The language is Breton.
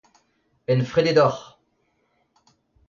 Enfredet oc'h !